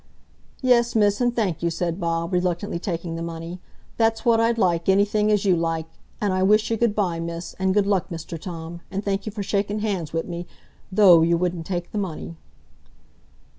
"Yes, Miss, and thank you," said Bob, reluctantly taking the money; "that's what I'd like, anything as you like. An' I wish you good by, Miss, and good luck, Mr Tom, and thank you for shaking hands wi' me, though you wouldn't take the money."